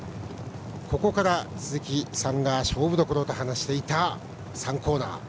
ここから鈴木さんが勝負どころと話していた３コーナー。